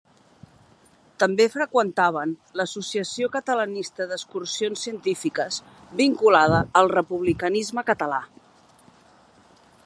També freqüentaven l’Associació Catalanista d’Excursions Científiques, vinculada al republicanisme català.